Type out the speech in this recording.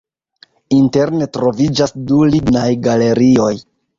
Interne troviĝas du lignaj galerioj.